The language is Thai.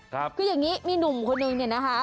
คืออย่างนี้มีหนุ่มคนนึงเนี่ยนะคะ